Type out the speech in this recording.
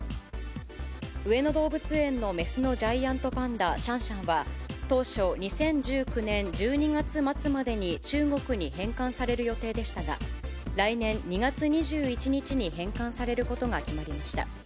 上野動物園の雌のジャイアントパンダ、シャンシャンは、当初、２０１９年１２月末までに中国に返還される予定でしたが、来年２月２１日に返還されることが決まりました。